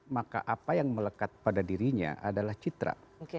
maka apa yang melekat pada dirinya adalah citra